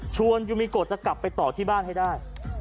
ยูมิโกจะกลับไปต่อที่บ้านให้ได้